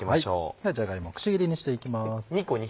ではじゃが芋くし切りにしていきます。